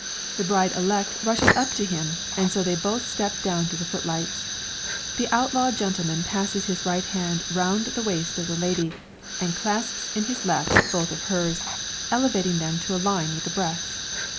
The bride elect rushes up to him, and so they both step down to the foot lights. The outlaw gentleman passes his right hand round the waist of the lady, and clasps in his left both of her's, elevating them to a line with the breast.